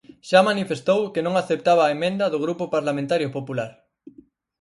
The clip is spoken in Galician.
Xa manifestou que non aceptaba a emenda do Grupo Parlamentario Popular.